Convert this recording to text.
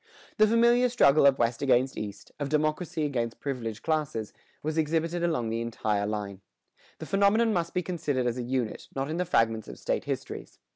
The familiar struggle of West against East, of democracy against privileged classes, was exhibited along the entire line. The phenomenon must be considered as a unit, not in the fragments of state histories.